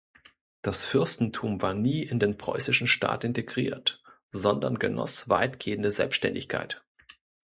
Das Fürstentum war nie in den preußischen Staat integriert, sondern genoss weitgehende Selbständigkeit.